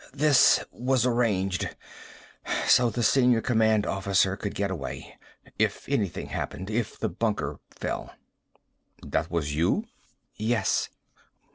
"This was arranged so the senior command officer could get away. If anything happened. If the bunker fell." "That was you?" "Yes."